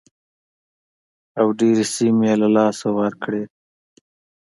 او ډېرې سیمې یې له لاسه ورکړې.